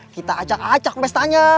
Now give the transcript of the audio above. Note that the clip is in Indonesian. kita acak acak bestanya